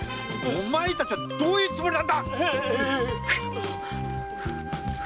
お前たちはどういうつもりだ！